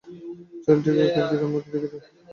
ছেলেটিকে কার্তিকের মতো দেখিতে।